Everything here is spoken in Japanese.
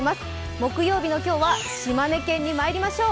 木曜日の今日は島根県にまいりましょう。